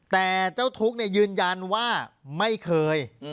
แต่เจ้าทุกข์ยืนยันว่าไม่เคย